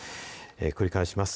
繰り返します。